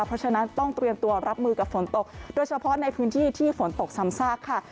เพราะฉะนั้นต้องเตรียมตัวรับมือกับฝนตกโดยเฉพาะในพื้นที่ที่ฝนตกซ้ำซากค่ะ